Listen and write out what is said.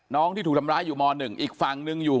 ที่ถูกทำร้ายอยู่ม๑อีกฝั่งหนึ่งอยู่